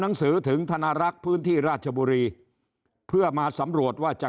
หนังสือถึงธนารักษ์พื้นที่ราชบุรีเพื่อมาสำรวจว่าจะ